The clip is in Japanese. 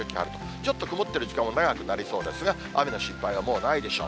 ちょっと曇っている時間も長くなりそうですが、雨の心配はもうないでしょう。